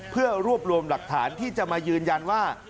เพื่อรวบรวมหลักฐานที่จะมายืนยันว่า